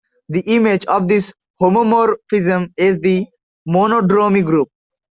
The image of this homomorphism is the monodromy group.